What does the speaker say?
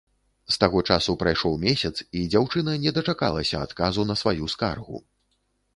З таго часу прайшоў месяц, і дзяўчына не дачакалася адказу на сваю скаргу.